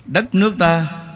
đất nước ta